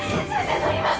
乗ります！